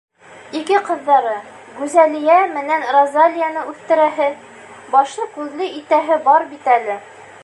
Ике ҡыҙҙары — Гүзәлиә менән Розалияны үҫтерәһе, башлы-күҙле итәһе бар бит әле.